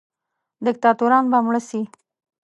دیکتاتوران به مړه سي.